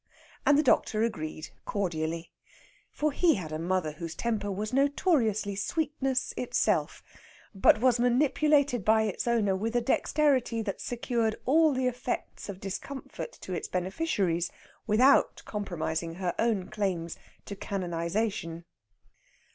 And the doctor agreed cordially. For he had a mother whose temper was notoriously sweetness itself, but was manipulated by its owner with a dexterity that secured all the effects of discomfort to its beneficiaries, without compromising her own claims to canonization.